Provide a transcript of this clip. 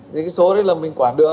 thì cái số đấy là mình quản được